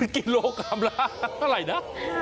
กิโลกรัมละเท่าไหร่นะ